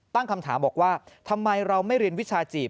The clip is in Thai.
ตั้งคำถามบอกว่าทำไมเราไม่เรียนวิชาจีบ